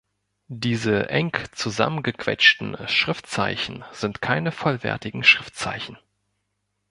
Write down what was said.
Diese „eng zusammengequetschten“ Schriftzeichen sind keine vollwertigen Schriftzeichen.